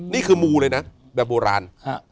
นี่คือมูเลยนะแบบโบราณ